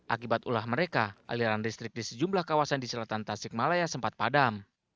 akibat ulah mereka aliran listrik di sejumlah kawasan di selatan tasikmalaya sempat padam